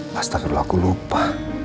pasti dulu aku lupa